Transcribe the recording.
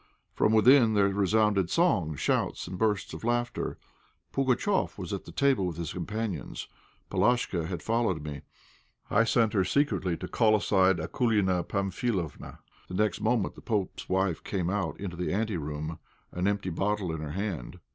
From within there resounded songs, shouts, and bursts of laughter; Pugatchéf was at the table with his companions. Polashka had followed me; I sent her secretly to call aside Akoulina Pamphilovna. The next minute the pope's wife came out into the ante room, an empty bottle in her hand.